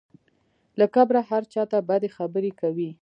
له کبره هر چا ته بدې خبرې کوي.